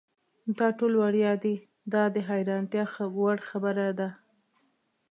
دا ټول وړیا دي دا د حیرانتیا وړ خبره ده.